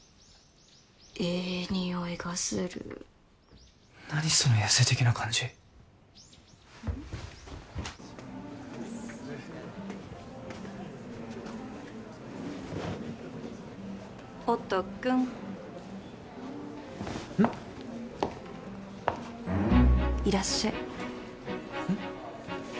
ええ匂いがする何その野生的な感じ音くんえっいらっしゃいうん？